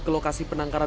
ke lokasi penangkaran